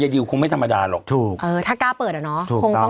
ดิวคงไม่ธรรมดาหรอกถูกเออถ้ากล้าเปิดอ่ะเนาะคงต้อง